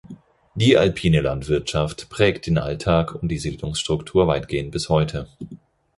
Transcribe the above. Die alpine Landwirtschaft prägt den Alltag und die Siedlungsstruktur weitgehend bis heute.